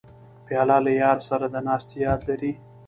پیاله له یار سره د ناستې یاد لري.